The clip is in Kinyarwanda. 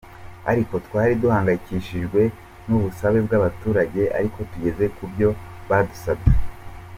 Ati “Twari duhaganyikishijwe n’ubusabe bw’abatuturage ariko tugeze ku cyo badusabye.